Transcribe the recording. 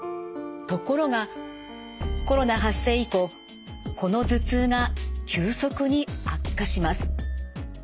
ところがコロナ発生以降この頭痛が急速に悪化します。